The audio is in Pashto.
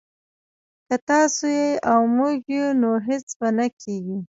که تاسو يئ او موږ يو نو هيڅ به نه کېږي